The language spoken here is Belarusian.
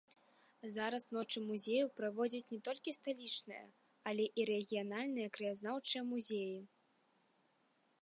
Зараз ночы музеяў праводзяць не толькі сталічныя, але і рэгіянальныя краязнаўчыя музеі.